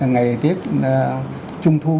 ngày tiết trung thu